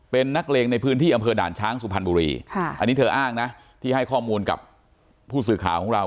เป็นนักเลงในพื้นที่อำเภอด่านช้างสุพรรณบุรีอันนี้เธออ้างนะที่ให้ข้อมูลกับผู้สื่อข่าวของเรา